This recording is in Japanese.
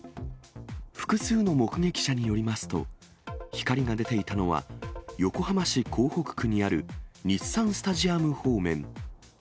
複数の目撃者によりますと、光が出ていたのは、横浜市港北区にある日産スタジアム方面。